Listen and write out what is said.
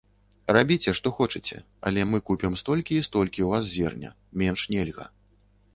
Рабіце, што хочаце, але мы купім столькі і столькі ў вас зерня, менш нельга.